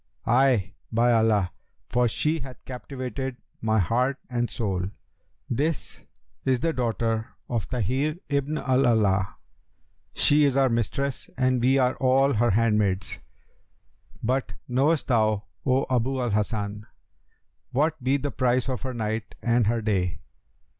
'Ay, by Allah! for she hath captivated my heart and soul.' 'This is the daughter of Tahir ibn al Alaa; she is our mistress and we are all her handmaids; but knowest thou, O Abu al Hasan, what be the price of her night and her day?'